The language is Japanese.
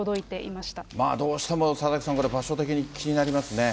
まあ、どうしても、佐々木さんこれ、場所的に気になりますね。